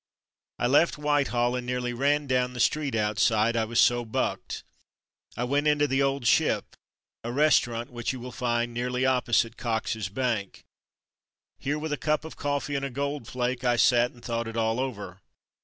I left Whitehall and nearly ran down the street outside — I was so bucked. I went into the ''Old Ship,'' a restaurant which you will find nearly opposite Cox's bank. Here, with a cup of coffee and a Gold Flake I sat and thought it all over.